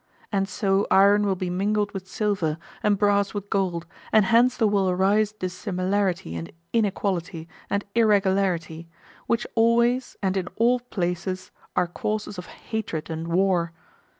And so iron will be mingled with silver, and brass with gold, and hence there will arise dissimilarity and inequality and irregularity, which always and in all places are causes of hatred and war.